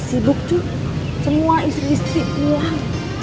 sibuk cuy semua istri istri pilihan